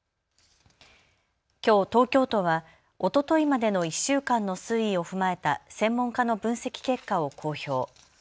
きょう東京都はおとといまでの１週間の推移を踏まえた専門家の分析結果を公表。